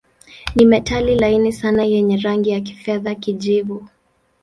Ni metali laini sana yenye rangi ya kifedha-kijivu.